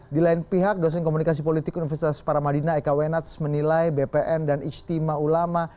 di lain pihak dosen komunikasi politik universitas paramadina eka wenats menilai bpn dan ijtima ulama